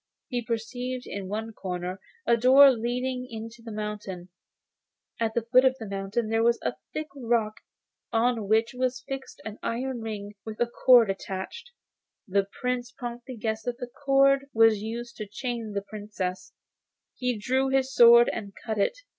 He perceived in one corner a door leading into the mountain, and at the foot of the mountain was a high rock on which was fixed an iron ring with a cord attached. The Prince promptly guessed that the cord was used to chain the Princess, and drew his sword and cut it.